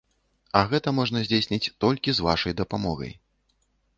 А гэта можна здзейсніць толькі з вашай дапамогай!